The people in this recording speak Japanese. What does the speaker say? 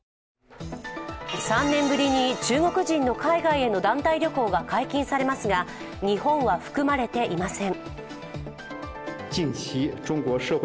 ３年ぶりに中国人の海外への団体旅行が解禁されますが、日本は含まれていません。